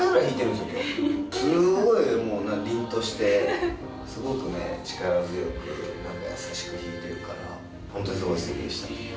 すごい、もう、りんとして、すごくね、力強く、優しく弾いてるから、本当にすごいすてきでした。